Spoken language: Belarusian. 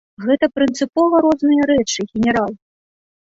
Гэта прынцыпова розныя рэчы, генерал.